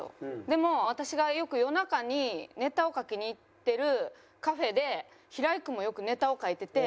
でも私がよく夜中にネタを書きに行ってるカフェで平井君もよくネタを書いてて。